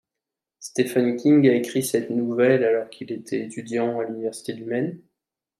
Stephen King a écrit cette nouvelle alors qu'il était étudiant à l'université du Maine.